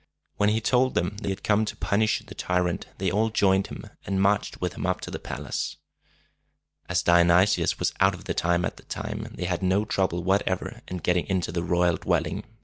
When he told them that he had come to punish the tyrant, they all joined him, and marched with him up to the palace. As Dionysius was out of town at the time, they had no trouble whatever in getting into the royal dwelling.